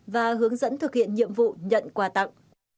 và hướng dẫn thực hiện nhiệm vụ nhận quà tặng